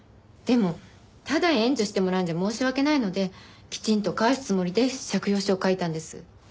でもただ援助してもらうんじゃ申し訳ないのできちんと返すつもりで借用書を書いたんです。